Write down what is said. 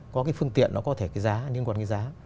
có cái phương tiện nó có thể cái giá